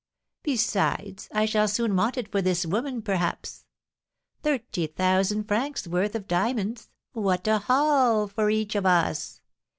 Besides, I shall soon want it for this woman, perhaps. Thirty thousand francs' worth of diamonds, what a 'haul' for each of us!